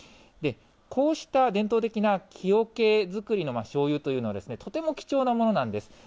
こうした伝統的な木おけ造りのしょうゆというのはとても貴重なものなんです。